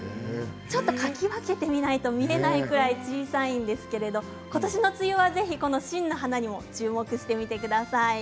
かき分けて見ないと見られないぐらい小さいんですけれどことしの梅雨はぜひこの真の花にも注目してみてください。